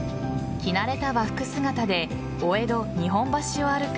着慣れた和服姿でお江戸・日本橋を歩く